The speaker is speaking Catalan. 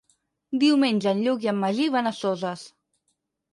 Diumenge en Lluc i en Magí van a Soses.